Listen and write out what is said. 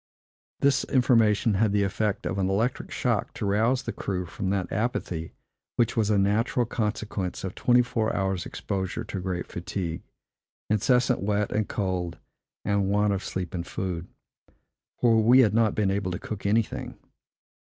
This information had the effect of an electric shock to rouse the crew from that apathy which was a natural consequence of twenty four hours' exposure to great fatigue, incessant wet and cold, and want of sleep and food; for we had not been able to cook anything.